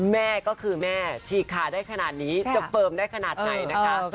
แม่ก็คือแม่ฉีกขาได้ขนาดนี้จะเฟิร์มได้ขนาดไหนนะคะ